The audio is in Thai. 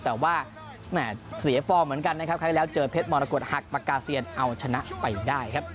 แต่ว่าแหม่เสียฟอร์มเหมือนกันนะครับครั้งที่แล้วเจอเพชรมรกฏหักปากกาเซียนเอาชนะไปได้ครับ